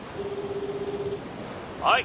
はい。